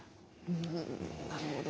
うんなるほど。